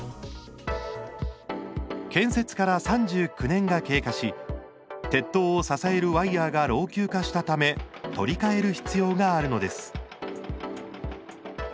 建設から３９年が経過し鉄塔を支えるワイヤーが老朽化したため取り替える必要があるのです。